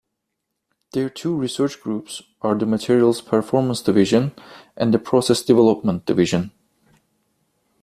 Their two research groups are the Materials Performance Division, and the Process Development Division.